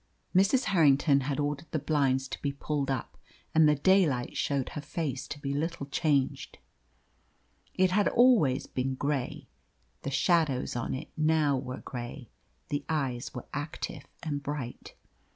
Mrs. Harrington had ordered the blinds to be pulled up, and the daylight showed her face to be little changed. It had always been grey; the shadows on it now were grey; the eyes were active and bright.